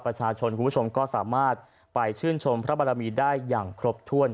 คุณผู้ชมก็สามารถไปชื่นชมพระบารมีได้อย่างครบถ้วน